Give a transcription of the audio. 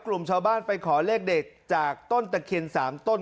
กลุ่มชาวบ้านไปขอเลขเด็ดจากต้นตะเคียน๓ต้น